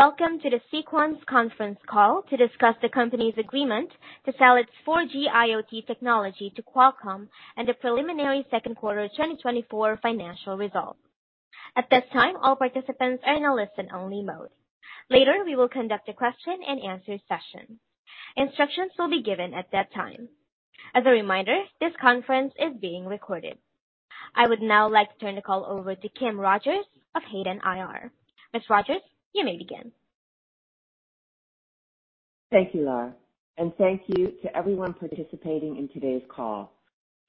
Welcome to the Sequans conference call to discuss the company's agreement to sell its 4G IoT technology to Qualcomm and the preliminary second quarter 2024 financial results. At this time, all participants are in a listen-only mode. Later, we will conduct a question and answer session. Instructions will be given at that time. As a reminder, this conference is being recorded. I would now like to turn the call over to Kim Rogers of Hayden IR. Ms. Rogers, you may begin. Thank you, Lara, and thank you to everyone participating in today's call.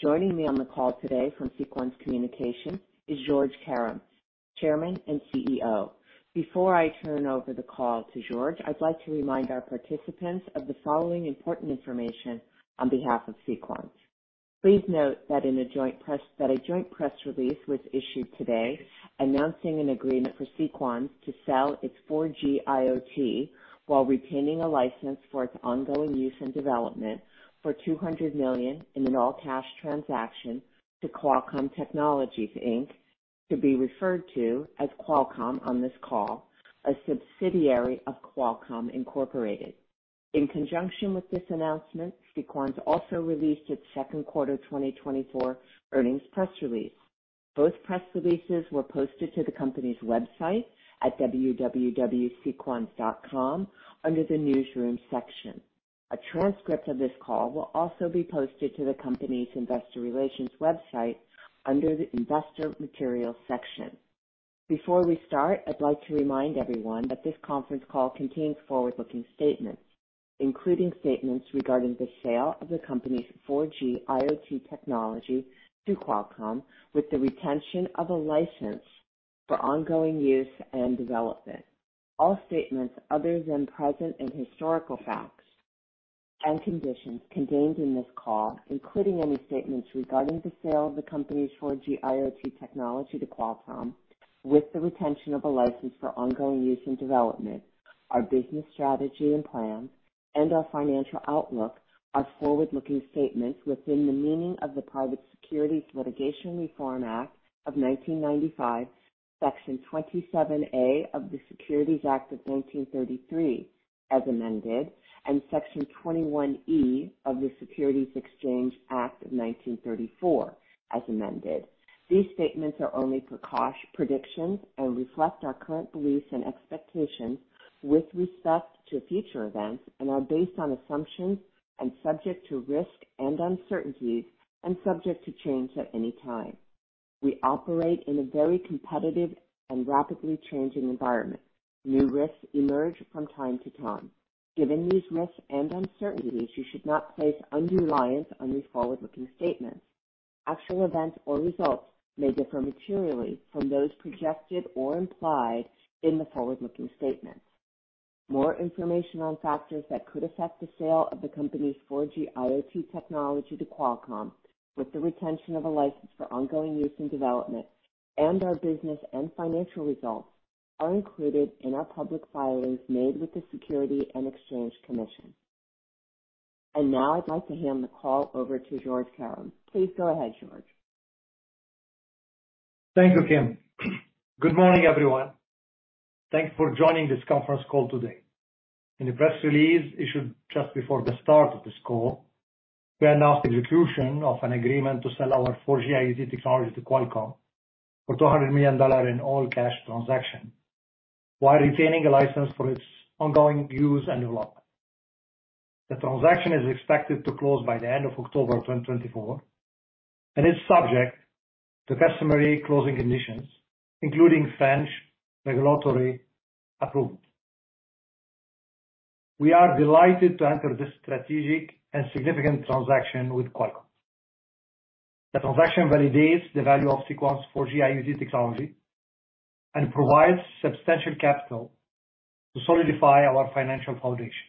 Joining me on the call today from Sequans Communications is Georges Karam, Chairman and CEO. Before I turn over the call to Georges, I'd like to remind our participants of the following important information on behalf of Sequans. Please note that in a joint press release was issued today announcing an agreement for Sequans to sell its 4G IoT, while retaining a license for its ongoing use and development for $200 million in an all-cash transaction to Qualcomm Technologies, Inc., to be referred to as Qualcomm on this call, a subsidiary of Qualcomm Incorporated. In conjunction with this announcement, Sequans also released its second quarter 2024 earnings press release. Both press releases were posted to the company's website at www.sequans.com under the Newsroom section. A transcript of this call will also be posted to the company's investor relations website under the Investor Materials section. Before we start, I'd like to remind everyone that this conference call contains forward-looking statements, including statements regarding the sale of the company's 4G IoT technology to Qualcomm, with the retention of a license for ongoing use and development. All statements other than present and historical facts and conditions contained in this call, including any statements regarding the sale of the company's 4G IoT technology to Qualcomm, with the retention of a license for ongoing use and development, our business strategy and plans, and our financial outlook, are forward-looking statements within the meaning of the Private Securities Litigation Reform Act of 1995, Section 27A of the Securities Act of 1933, as amended, and Section 21E of the Securities Exchange Act of 1934, as amended. These statements are only precautious predictions and reflect our current beliefs and expectations with respect to future events and are based on assumptions and subject to risks and uncertainties and subject to change at any time. We operate in a very competitive and rapidly changing environment. New risks emerge from time to time. Given these risks and uncertainties, you should not place undue reliance on these forward-looking statements. Actual events or results may differ materially from those projected or implied in the forward-looking statements. More information on factors that could affect the sale of the company's 4G IoT technology to Qualcomm, with the retention of a license for ongoing use and development, and our business and financial results, are included in our public filings made with the Securities and Exchange Commission, and now I'd like to hand the call over to Georges Karam. Please go ahead, Georges. Thank you, Kim. Good morning, everyone. Thank you for joining this conference call today. In the press release issued just before the start of this call, we announced the execution of an agreement to sell our 4G IoT technology to Qualcomm for $200 million in an all-cash transaction, while retaining a license for its ongoing use and development. The transaction is expected to close by the end of October twenty twenty-four, and it's subject to customary closing conditions, including French regulatory approval. We are delighted to enter this strategic and significant transaction with Qualcomm. The transaction validates the value of Sequans 4G IoT technology and provides substantial capital to solidify our financial foundation.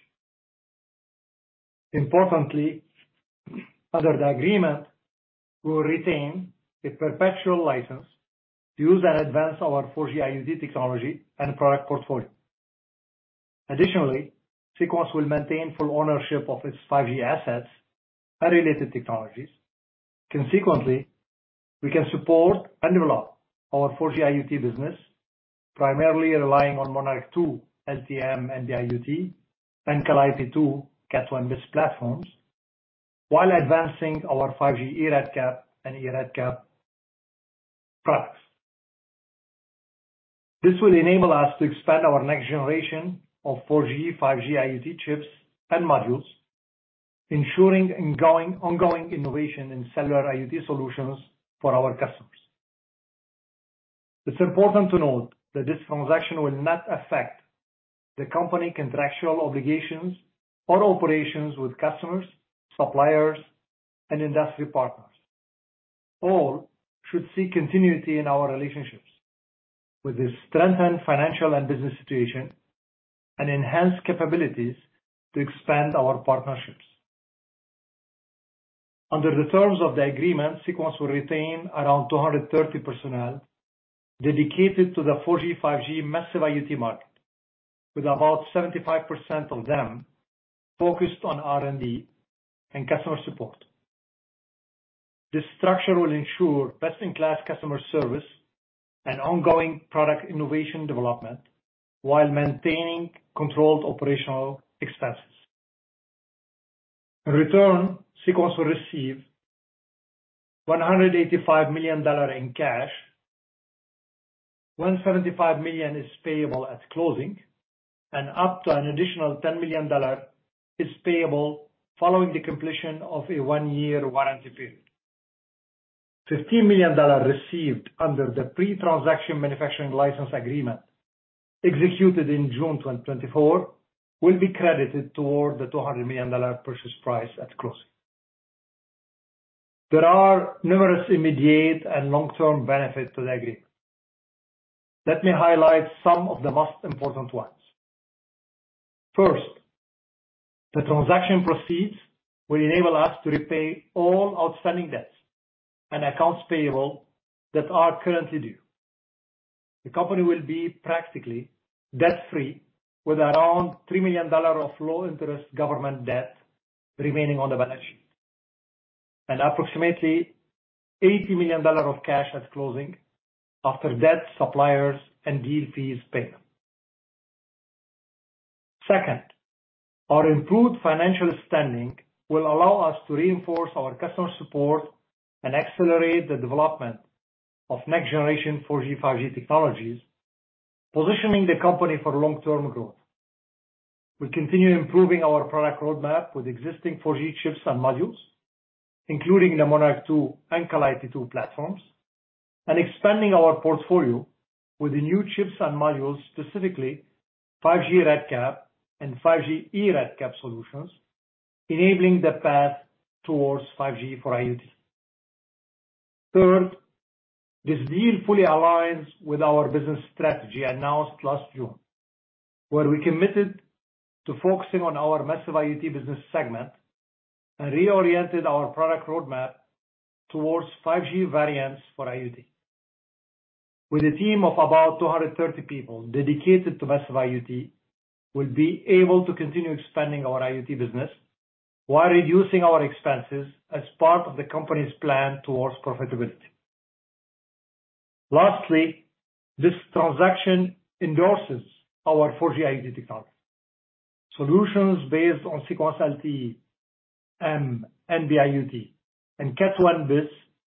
Importantly, under the agreement, we will retain a perpetual license to use and advance our 4G IoT technology and product portfolio. Additionally, Sequans will maintain full ownership of its 5G assets and related technologies. Consequently, we can support and develop our 4G IoT business, primarily relying on Monarch 2 LTE-M and NB-IoT and Calliope 2 Cat 1bis platforms, while advancing our 5G eRedCap and eRedCap products. This will enable us to expand our next generation of 4G, 5G IoT chips and modules, ensuring ongoing innovation in cellular IoT solutions for our customers. It's important to note that this transaction will not affect the company's contractual obligations or operations with customers, suppliers, and industry partners. All should see continuity in our relationships with the strengthened financial and business situation and enhanced capabilities to expand our partnerships. Under the terms of the agreement, Sequans will retain around 230 personnel dedicated to the 4G, 5G massive IoT market, with about 75% of them focused on R&D and customer support. This structure will ensure best-in-class customer service and ongoing product innovation development, while maintaining controlled operational expenses. In return, Sequans will receive $185 million in cash. $175 million is payable at closing, and up to an additional $10 million is payable following the completion of a one-year warranty period. $15 million received under the pre-transaction manufacturing license agreement, executed in June 2024, will be credited toward the $200 million purchase price at closing. There are numerous immediate and long-term benefits to the agreement. Let me highlight some of the most important ones. First, the transaction proceeds will enable us to repay all outstanding debts and accounts payable that are currently due. The company will be practically debt-free, with around $3 million of low-interest government debt remaining on the balance sheet, and approximately $80 million of cash at closing after debt, suppliers, and deal fees paid. Second, our improved financial standing will allow us to reinforce our customer support and accelerate the development of next-generation 4G, 5G technologies, positioning the company for long-term growth. We continue improving our product roadmap with existing 4G chips and modules, including the Monarch 2 and Calliope 2 platforms, and expanding our portfolio with the new chips and modules, specifically 5G RedCap and 5G eRedCap solutions, enabling the path towards 5G for IoT. Third, this deal fully aligns with our business strategy announced last June, where we committed to focusing on our massive IoT business segment and reoriented our product roadmap towards 5G variants for IoT. With a team of about 230 people dedicated to massive IoT, we'll be able to continue expanding our IoT business while reducing our expenses as part of the company's plan towards profitability. Lastly, this transaction endorses our 4G IoT technology. Solutions based on Sequans LTE, NB-IoT, and Cat 1bis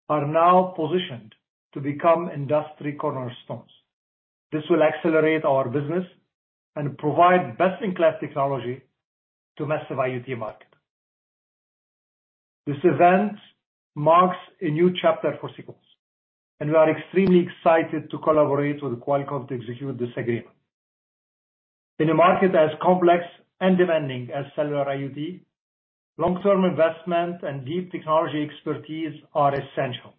are now positioned to become industry cornerstones. This will accelerate our business and provide best-in-class technology to massive IoT market. This event marks a new chapter for Sequans, and we are extremely excited to collaborate with Qualcomm to execute this agreement. In a market as complex and demanding as cellular IoT, long-term investment and deep technology expertise are essential.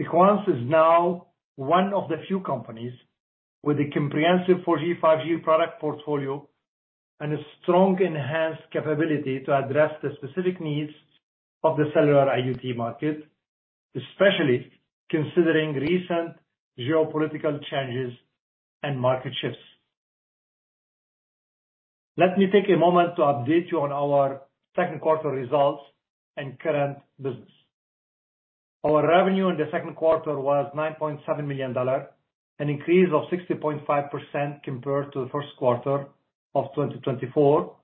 Sequans is now one of the few companies with a comprehensive 4G, 5G product portfolio and a strong enhanced capability to address the specific needs of the cellular IoT market, especially considering recent geopolitical changes and market shifts. Let me take a moment to update you on our second quarter results and current business. Our revenue in the second quarter was $9.7 million, an increase of 60.5% compared to the first quarter of 2024,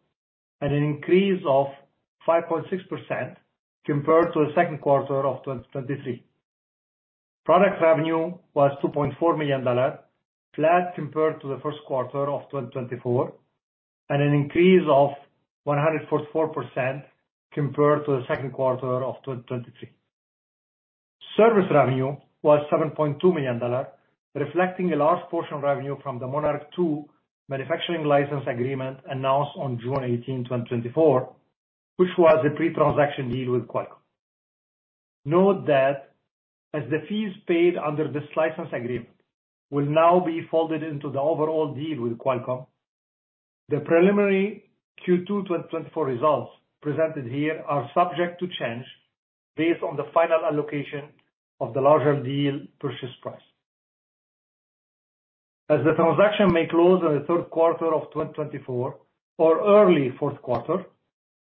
and an increase of 5.6% compared to the second quarter of 2023. Product revenue was $2.4 million, flat compared to the first quarter of 2024, and an increase of 144% compared to the second quarter of 2023. Service revenue was $7.2 million, reflecting a large portion of revenue from the Monarch 2 manufacturing license agreement announced on June eighteenth, 2024, which was a pre-transaction deal with Qualcomm. Note that as the fees paid under this license agreement will now be folded into the overall deal with Qualcomm, the preliminary Q2 2024 results presented here are subject to change based on the final allocation of the larger deal purchase price. As the transaction may close in the third quarter of 2024 or early fourth quarter,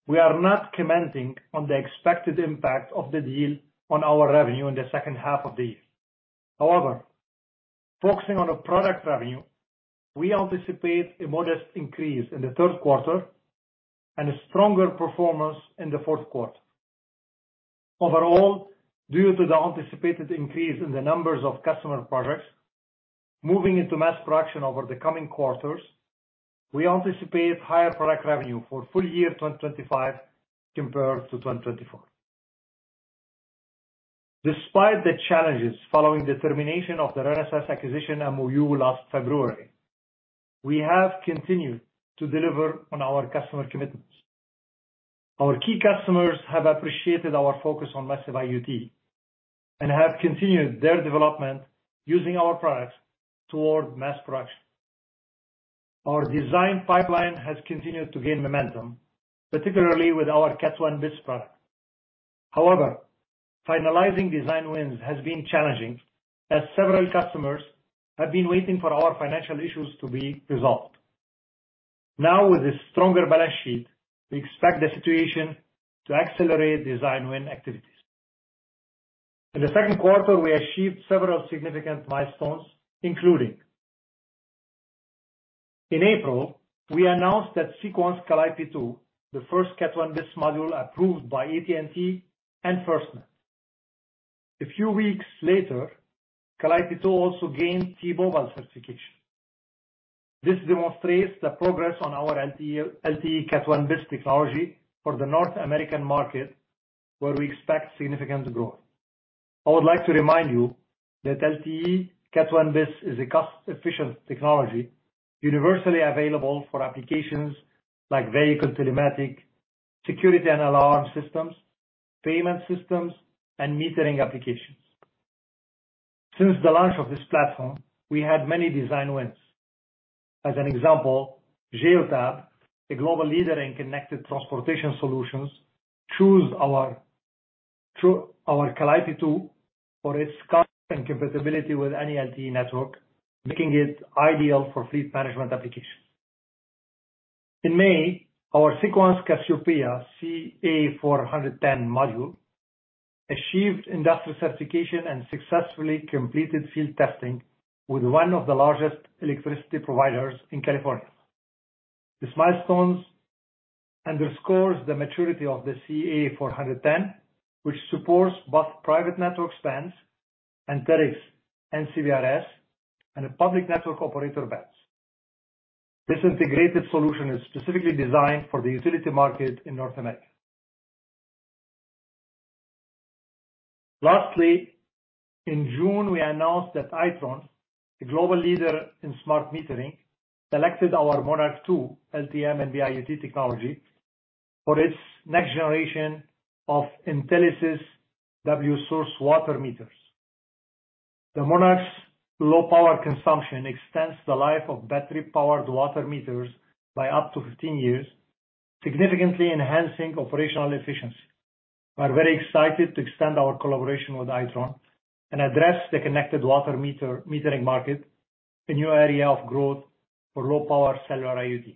we are not commenting on the expected impact of the deal on our revenue in the second half of the year. However, focusing on a product revenue, we anticipate a modest increase in the third quarter and a stronger performance in the fourth quarter. Overall, due to the anticipated increase in the numbers of customer products moving into mass production over the coming quarters, we anticipate higher product revenue for full year 2025 compared to 2024. Despite the challenges following the termination of the Renesas acquisition MOU last February, we have continued to deliver on our customer commitments. Our key customers have appreciated our focus on massive IoT and have continued their development using our products toward mass production. Our design pipeline has continued to gain momentum, particularly with our Cat 1bis product. However, finalizing design wins has been challenging, as several customers have been waiting for our financial issues to be resolved. Now with a stronger balance sheet, we expect the situation to accelerate design win activities. In the second quarter, we achieved several significant milestones, including: in April, we announced that Sequans Calliope 2, the first Cat 1bis module approved by AT&T and FirstNet. A few weeks later, Calliope 2 also gained T-Mobile certification. This demonstrates the progress on our LTE, LTE Cat 1bis technology for the North American market, where we expect significant growth. I would like to remind you that LTE Cat 1bis is a cost-efficient technology, universally available for applications like vehicle telematics, security and alarm systems, payment systems, and metering applications. Since the launch of this platform, we had many design wins. As an example, Geotab, a global leader in connected transportation solutions, chose our Calliope 2 for its cost and compatibility with any LTE network, making it ideal for fleet management applications. In May, our Sequans Cassiopeia CA410 module achieved industrial certification and successfully completed field testing with one of the largest electricity providers in California. This milestone underscores the maturity of the CA410, which supports both private network bands and TETRA and CBRS, and public network bands. This integrated solution is specifically designed for the utility market in North America. Lastly, in June, we announced that Itron, a global leader in smart metering, selected our Monarch 2 LTE-M and NB-IoT technology for its next-generation Intelis wSource water meters. The Monarch's low power consumption extends the life of battery-powered water meters by up to 15 years, significantly enhancing operational efficiency. We are very excited to extend our collaboration with Itron and address the connected water-metering market, a new area of growth for low-power cellular IoT.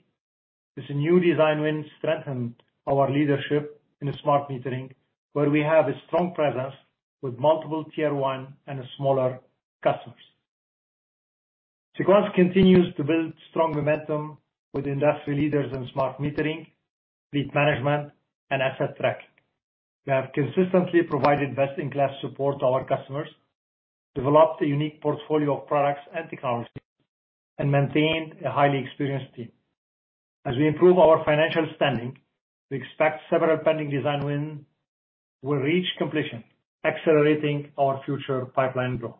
This new design win strengthened our leadership in the smart metering, where we have a strong presence with multiple tier one and smaller customers. Sequans continues to build strong momentum with industry leaders in smart metering, fleet management, and asset tracking. We have consistently provided best-in-class support to our customers, developed a unique portfolio of products and technologies, and maintained a highly experienced team. As we improve our financial standing, we expect several pending design win will reach completion, accelerating our future pipeline growth.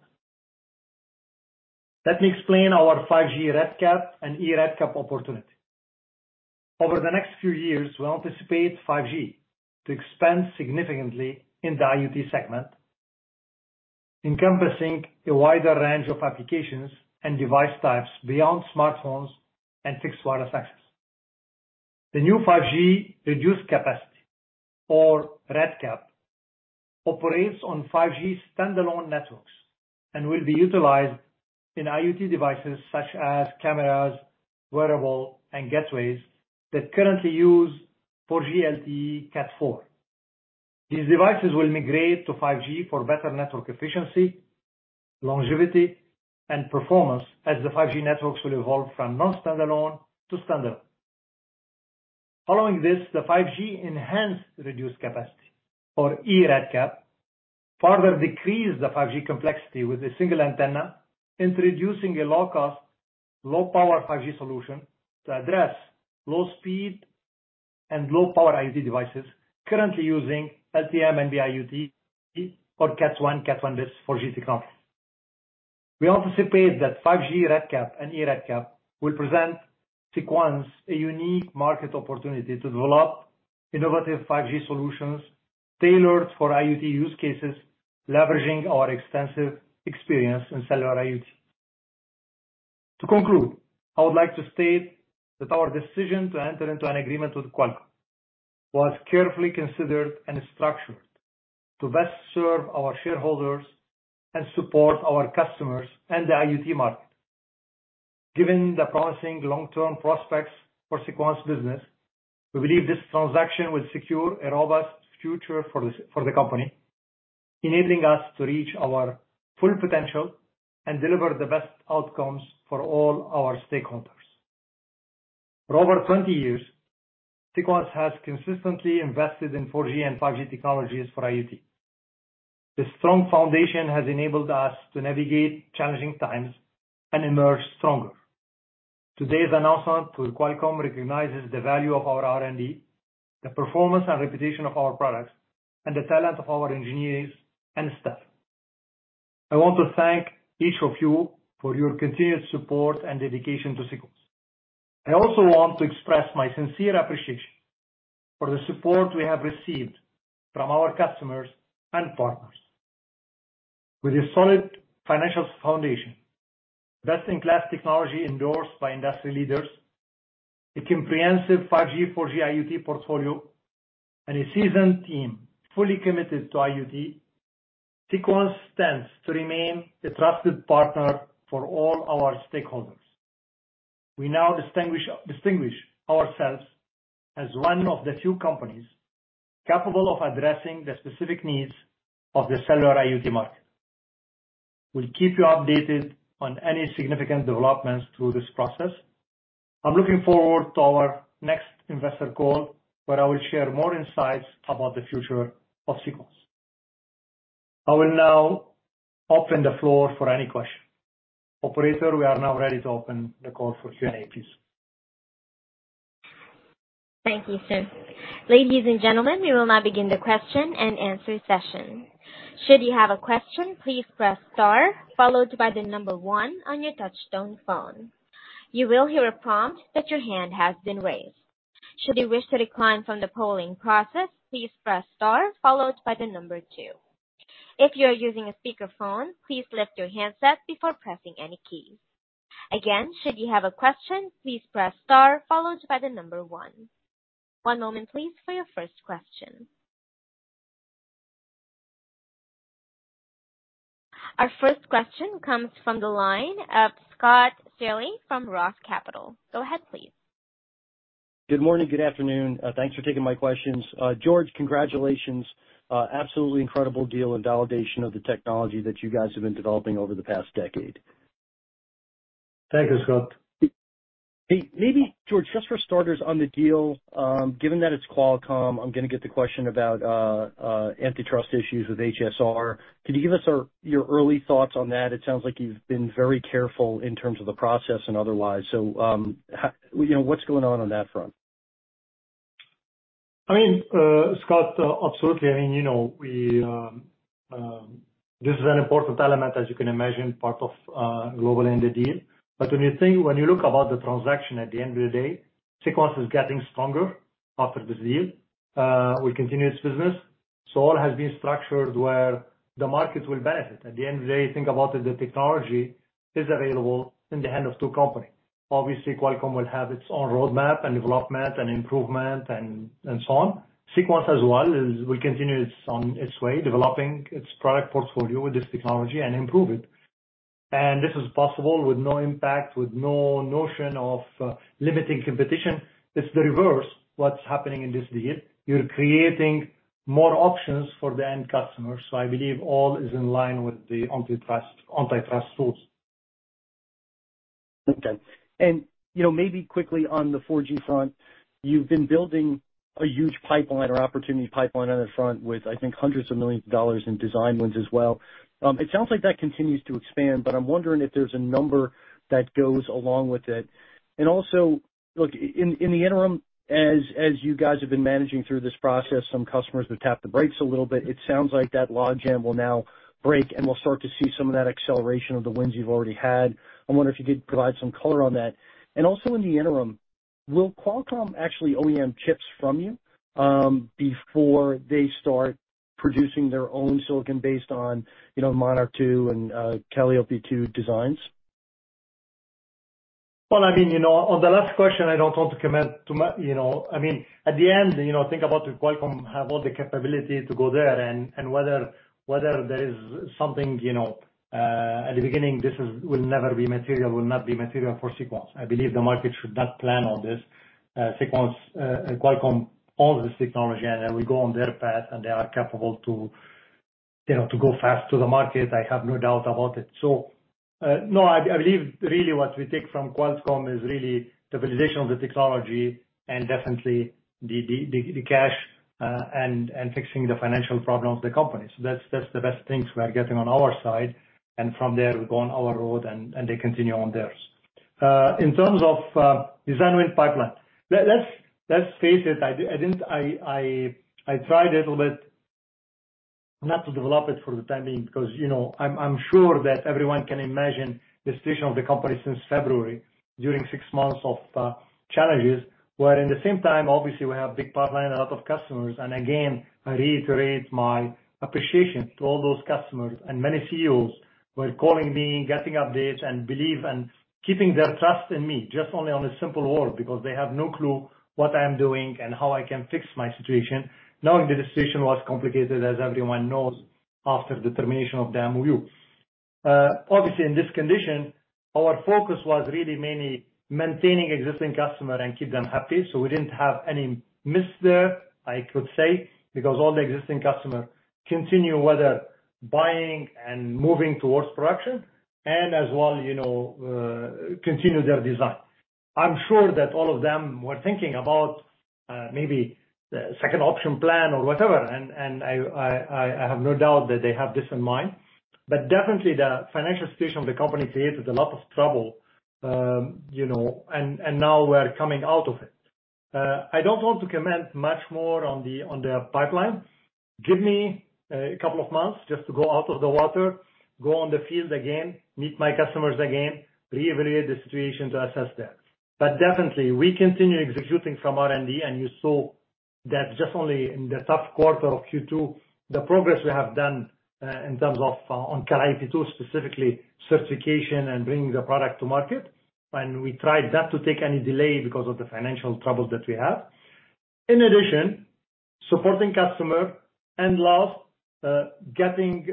Let me explain our 5G RedCap and 5G eRedCap opportunity. Over the next few years, we anticipate 5G to expand significantly in the IoT segment, encompassing a wider range of applications and device types beyond smartphones and fixed wireless access. The new 5G RedCap operates on 5G standalone networks and will be utilized in IoT devices such as cameras, wearables, and gateways that currently use for 4G LTE Cat 4. These devices will migrate to 5G for better network efficiency, longevity, and performance, as the 5G networks will evolve from non-standalone to standalone. Following this, the 5G eRedCap further decrease the 5G complexity with a single antenna, introducing a low-cost, low-power 5G solution to address low speed and low-power IoT devices currently using LTE-M and NB-IoT or Cat 1, Cat 1bis for 4G technology. We anticipate that 5G RedCap and eRedCap will present Sequans a unique market opportunity to develop innovative 5G solutions tailored for IoT use cases, leveraging our extensive experience in cellular IoT. To conclude, I would like to state that our decision to enter into an agreement with Qualcomm was carefully considered and structured to best serve our shareholders and support our customers and the IoT market. Given the promising long-term prospects for Sequans business, we believe this transaction will secure a robust future for the company, enabling us to reach our full potential and deliver the best outcomes for all our stakeholders. For over 20 years, Sequans has consistently invested in 4G and 5G technologies for IoT. This strong foundation has enabled us to navigate challenging times and emerge stronger. Today's announcement to Qualcomm recognizes the value of our R&D, the performance and reputation of our products, and the talent of our engineers and staff. I want to thank each of you for your continued support and dedication to Sequans. I also want to express my sincere appreciation for the support we have received from our customers and partners. With a solid financial foundation, best-in-class technology endorsed by industry leaders, a comprehensive 5G, 4G IoT portfolio, and a seasoned team fully committed to IoT... Sequans stands to remain a trusted partner for all our stakeholders. We now distinguish ourselves as one of the few companies capable of addressing the specific needs of the cellular IoT market. We'll keep you updated on any significant developments through this process. I'm looking forward to our next investor call, where I will share more insights about the future of Sequans. I will now open the floor for any questions. Operator, we are now ready to open the call for Q&A, please. Thank you, sir. Ladies and gentlemen, we will now begin the question and answer session. Should you have a question, please press star followed by the number one on your touchtone phone. You will hear a prompt that your hand has been raised. Should you wish to decline from the polling process, please press star followed by the number two. If you are using a speakerphone, please lift your handset before pressing any key. Again, should you have a question, please press star followed by the number one. One moment, please, for your first question. Our first question comes from the line of Scott Searle from Roth MKM. Go ahead, please. Good morning. Good afternoon. Thanks for taking my questions. Georges, congratulations. Absolutely incredible deal and validation of the technology that you guys have been developing over the past decade. Thank you, Scott. Hey, maybe Georges, just for starters, on the deal, given that it's Qualcomm, I'm gonna get the question about antitrust issues with HSR. Can you give us your early thoughts on that? It sounds like you've been very careful in terms of the process and otherwise, so, how... You know, what's going on on that front? I mean, Scott, absolutely. I mean, you know, we, this is an important element, as you can imagine, part of global in the deal. But when you look about the transaction, at the end of the day, Sequans is getting stronger after this deal. We continue its business. So all has been structured where the market will benefit. At the end of the day, think about it, the technology is available in the hand of two company. Obviously, Qualcomm will have its own roadmap and development and improvement and so on. Sequans as well will continue on its way, developing its product portfolio with this technology and improve it. And this is possible with no impact, with no notion of limiting competition. It's the reverse what's happening in this deal. You're creating more options for the end customer, so I believe all is in line with the antitrust tools. Okay. And, you know, maybe quickly on the 4G front, you've been building a huge pipeline or opportunity pipeline on the front with, I think, hundreds of millions of dollars in design wins as well. It sounds like that continues to expand, but I'm wondering if there's a number that goes along with it. And also, look, in the interim, as you guys have been managing through this process, some customers have tapped the brakes a little bit. It sounds like that logjam will now break, and we'll start to see some of that acceleration of the wins you've already had. I wonder if you could provide some color on that. And also, in the interim, will Qualcomm actually OEM chips from you, before they start producing their own silicon based on, you know, Monarch 2 and Calliope 2 designs? Well, I mean, you know, on the last question, I don't want to comment too much. You know, I mean, at the end, you know, think about it. Qualcomm has all the capability to go there and whether there is something, you know, at the beginning. This will never be material, will not be material for Sequans. I believe the market should not plan on this. Sequans and Qualcomm, all this technology, and we go on their path, and they are capable to, you know, to go fast to the market. I have no doubt about it. So, no, I believe really what we take from Qualcomm is really the validation of the technology and definitely the cash and fixing the financial problem of the company. So that's, that's the best things we are getting on our side, and from there, we go on our road, and they continue on theirs. In terms of design win pipeline, let's face it, I didn't. I tried a little bit not to develop it for the time being, because, you know, I'm sure that everyone can imagine the situation of the company since February, during six months of challenges, where in the same time, obviously, we have big pipeline and a lot of customers. And again, I reiterate my appreciation to all those customers and many CEOs who are calling me, getting updates, and believe, and keeping their trust in me, just only on a simple word, because they have no clue what I am doing and how I can fix my situation, knowing the decision was complicated, as everyone knows, after the termination of the MOU. Obviously, in this condition, our focus was really mainly maintaining existing customer and keep them happy, so we didn't have any miss there, I could say, because all the existing customer continue whether buying and moving towards production and as well, you know, continue their design. I'm sure that all of them were thinking about, maybe the second option plan or whatever, and I have no doubt that they have this in mind. But definitely the financial situation of the company created a lot of trouble, you know, and now we're coming out of it. I don't want to comment much more on the pipeline. Give me a couple of months just to go out of the water, go on the field again, meet my customers again, reevaluate the situation to assess that. But definitely, we continue executing from R&D, and you saw that just only in the tough quarter of Q2, the progress we have done in terms of on Calliope 2, specifically certification and bringing the product to market, and we tried not to take any delay because of the financial troubles that we have. In addition, supporting customer and last, getting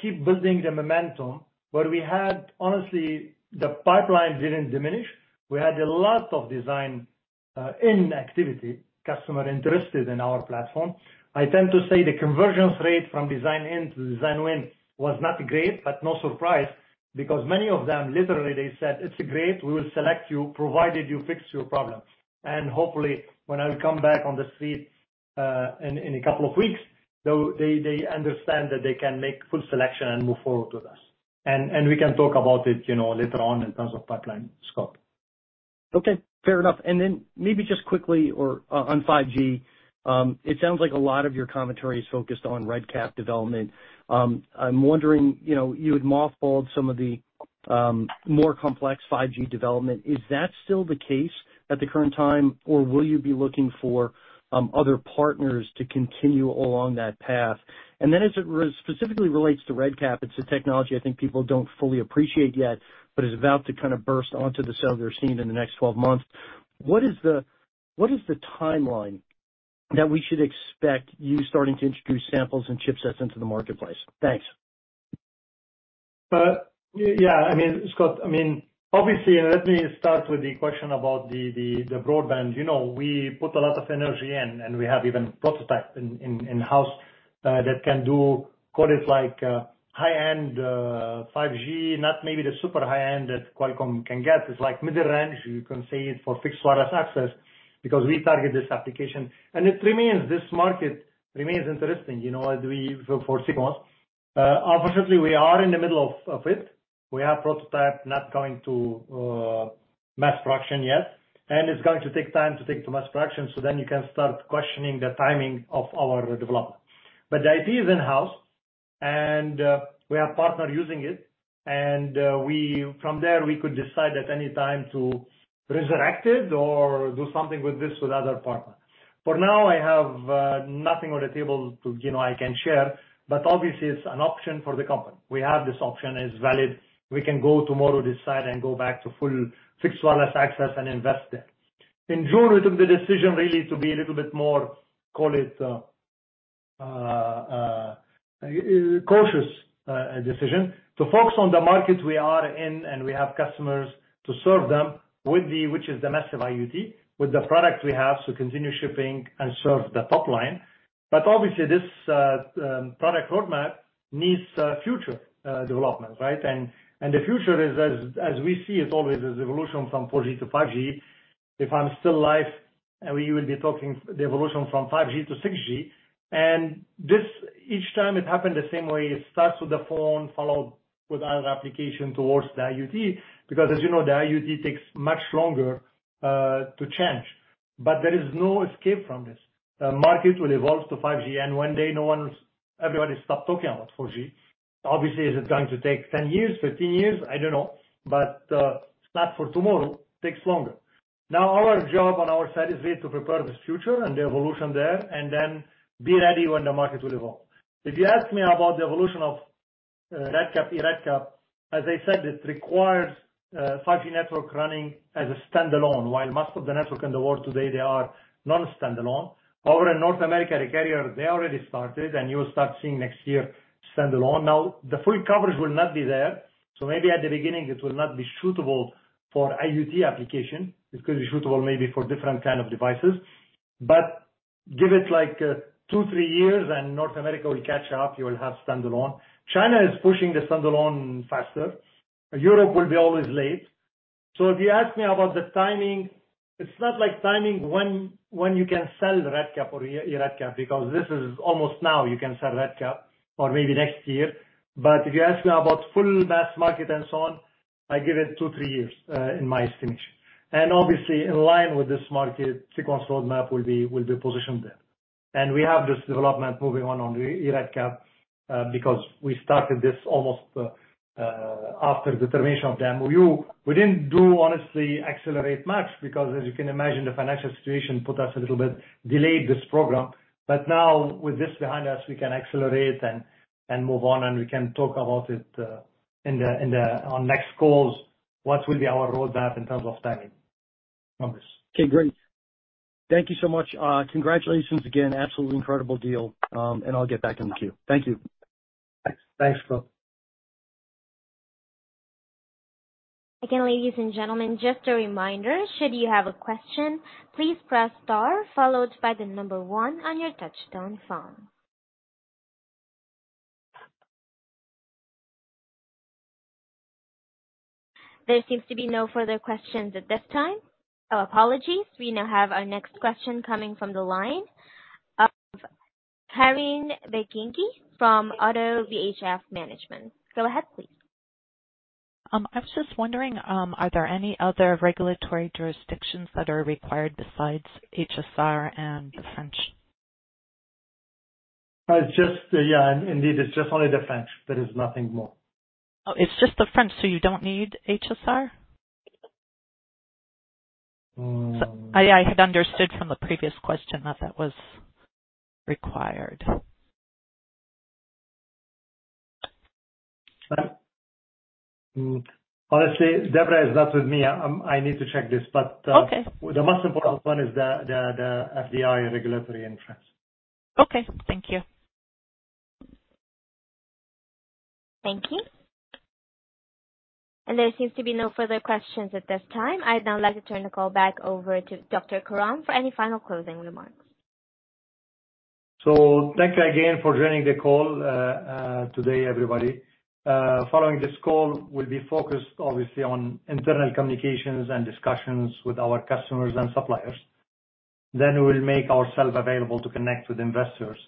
keep building the momentum where we had, honestly, the pipeline didn't diminish. We had a lot of design-in activity, customers interested in our platform. I tend to say the convergence rate from design-in to design-win was not great, but no surprise, because many of them, literally, they said, "It's great, we will select you, provided you fix your problems." Hopefully, when I come back on the street in a couple of weeks, though, they understand that they can make full selection and move forward with us. And we can talk about it, you know, later on in terms of pipeline scope. Okay, fair enough. And then maybe just quickly or on 5G, it sounds like a lot of your commentary is focused on RedCap development. I'm wondering, you know, you had mothballed some of the more complex 5G development. Is that still the case at the current time, or will you be looking for other partners to continue along that path? And then as it specifically relates to RedCap, it's a technology I think people don't fully appreciate yet, but is about to kind of burst onto the cellular scene in the next twelve months. What is the timeline that we should expect you starting to introduce samples and chipsets into the marketplace? Thanks. Yeah, I mean, Scott, I mean, obviously, and let me start with the question about the broadband. You know, we put a lot of energy in, and we have even prototype in-house that can do, call it like, high-end 5G, not maybe the super high-end that Qualcomm can get. It's like mid-range, you can say, it's for fixed wireless access, because we target this application. And it remains, this market remains interesting, you know, as far as Sequans. Unfortunately, we are in the middle of it. We have prototype not going to mass production yet, and it's going to take time to take it to mass production, so then you can start questioning the timing of our development. But the IP is in-house, and we have partner using it, and we... From there, we could decide at any time to resurrect it or do something with this with other partners. For now, I have nothing on the table to, you know, I can share, but obviously, it's an option for the company. We have this option. It's valid. We can go tomorrow, decide, and go back to full fixed wireless access and invest there. In June, we took the decision really to be a little bit more, call it, cautious decision. To focus on the market we are in, and we have customers to serve them with the, which is the Massive IoT, with the product we have, so continue shipping and serve the top line. But obviously, this product roadmap needs future development, right? And the future, as we see, is always as evolution from 4G to 5G. If I'm still live, we will be talking the evolution from 5G to 6G. This, each time it happened the same way. It starts with the phone, followed with other application towards the IoT, because as you know, the IoT takes much longer to change. There is no escape from this. The market will evolve to 5G, and one day, everybody stop talking about 4G. Obviously, is it going to take 10 years, 15 years? I don't know. It's not for tomorrow. It takes longer. Now, our job on our side is way to prepare this future and the evolution there, and then be ready when the market will evolve. If you ask me about the evolution of RedCap, eRedCap, as I said, it requires 5G network running as a standalone, while most of the network in the world today, they are not a standalone. Over in North America, the carrier, they already started, and you'll start seeing next year, standalone. Now, the full coverage will not be there, so maybe at the beginning it will not be suitable for IoT application. It could be suitable maybe for different kind of devices, but give it, like, two, three years, and North America will catch up. You will have standalone. China is pushing the standalone faster. Europe will be always late. So if you ask me about the timing, it's not like timing when you can sell RedCap or eRedCap, because this is almost now, you can sell RedCap or maybe next year. But if you ask me about full mass market and so on, I give it two, three years, in my estimation. And obviously, in line with this market, Sequans roadmap will be positioned there. And we have this development moving on the eRedCap, because we started this almost after the termination of the MOU. We didn't, honestly, accelerate much because as you can imagine, the financial situation put us a little bit delayed this program. But now, with this behind us, we can accelerate and move on, and we can talk about it on the next calls, what will be our roadmap in terms of timing numbers. Okay, great. Thank you so much. Congratulations again. Absolutely incredible deal, and I'll get back in the queue. Thank you. Thanks. Thanks, Scott. Again, ladies and gentlemen, just a reminder, should you have a question, please press star followed by the number one on your touchtone phone. There seems to be no further questions at this time. Oh, apologies. We now have our next question coming from the line of Carine Béghin' from Oddo BHF. Go ahead, please. I was just wondering, are there any other regulatory jurisdictions that are required besides HSR and the French? It's just, yeah, indeed, it's just only the French. There is nothing more. Oh, it's just the French, so you don't need HSR? Mm. So, I had understood from the previous question that that was required. Honestly, Deborah is not with me. I need to check this, but. Okay. - The most important one is the FDI regulatory in France. Okay, thank you. Thank you, and there seems to be no further questions at this time. I'd now like to turn the call back over to Dr. Karam for any final closing remarks. So thank you again for joining the call today, everybody. Following this call, we'll be focused obviously on internal communications and discussions with our customers and suppliers. Then we will make ourselves available to connect with investors.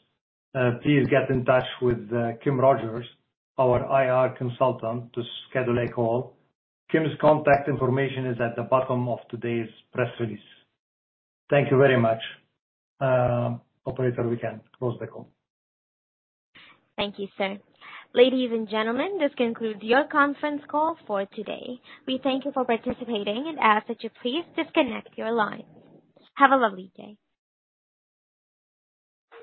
Please get in touch with Kim Rogers, our IR consultant, to schedule a call. Kim's contact information is at the bottom of today's press release. Thank you very much. Operator, we can close the call. Thank you, sir. Ladies and gentlemen, this concludes your conference call for today. We thank you for participating and ask that you please disconnect your line. Have a lovely day.